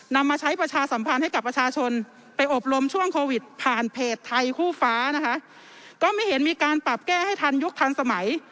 นำมาใช้ประชาสัมพันธ์ให้กับประชาชนไปอบรมช่วงโควิดผ่านเพจไทยคู่ฟ้านะคะก็ไม่เห็นมีการปรับแก้ให้ทันยุคทันสมัย